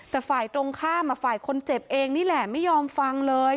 แต่ฝ่ายตรงข้ามฝ่ายคนเจ็บเองนี่แหละไม่ยอมฟังเลย